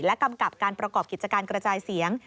กำกับการประกอบกิจการกระจายเสียง